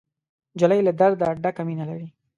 نجلۍ له درده ډکه مینه لري.